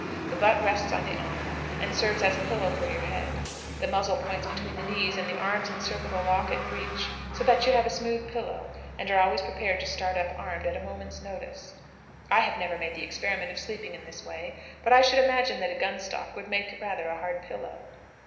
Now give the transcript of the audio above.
The butt rests on the arm, and serves as a pillow for the head; the muzzle points between the knees, and the arms encircle the lock and breech, so that you have a smooth pillow, and are always prepared to start up armed at a moment's notice." I have never made the experiment of sleeping in this way, but I should imagine that a gun stock would make rather a hard pillow.